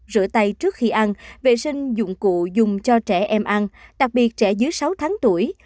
rửa tay trước khi ăn vệ sinh dụng cụ dùng cho trẻ em ăn đặc biệt trẻ dưới sáu tháng tuổi